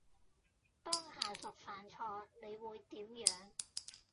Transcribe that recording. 當下屬犯錯你會點樣？